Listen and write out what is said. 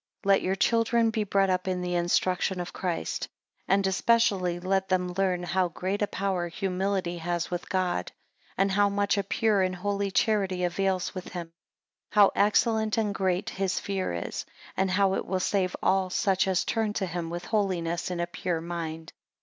12 Let your children be bred up in the instruction of Christ: 13 And especially let them learn how great a power humility has with God; how much a pure and holy charity avails with him; how excellent and great his fear is; and how it will save all such as turn to him with holiness in a pure mind.